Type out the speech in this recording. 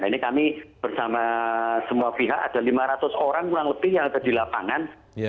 ini kami bersama semua pihak ada lima ratus orang kurang lebih yang ada di lapangan